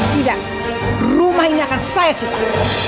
tidak rumah ini akan saya syukur